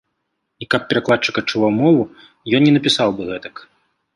І каб перакладчык адчуваў мову, ён не напісаў бы гэтак.